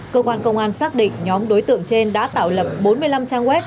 cơ quan công an xác định nhóm đối tượng trên đã tạo lập bốn mươi năm trang web